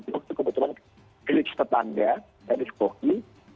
itu kebetulan klips tetangga dari spoky